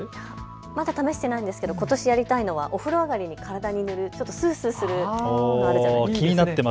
まだ試していないんですけどことしやりたいのはお風呂上がりに体に塗るとスースーするのがあるじゃないですか。